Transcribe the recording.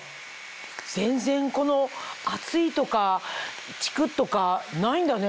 全然この熱いとかチクっとかないんだね。